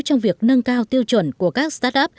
trong việc nâng cao tiêu chuẩn của các start up